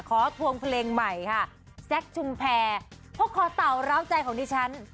ขอทวงเพลงใหม่ค่ะแซ็คชุมแพร์พวกขอเต่ารับใจของที่ฉัน